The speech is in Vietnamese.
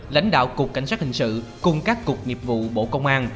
lãnh đạo cục cảnh sát hình sự cùng các cục nghiệp vụ bộ công an